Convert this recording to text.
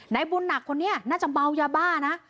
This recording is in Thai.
บุญหนักคนนี้น่าจะเมายาบ้านะ